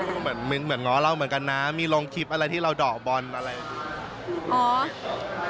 ก็เหมือนง้อเราเหมือนกันนะมีลงคลิปอะไรที่เราเดาะบอลอะไรอย่างนี้